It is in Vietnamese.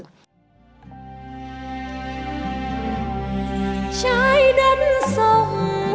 trái đất sông